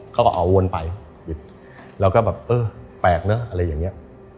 เขาก็เอาวนไปหยุดแล้วก็แบบเออแปลกเนอะอะไรอย่างนี้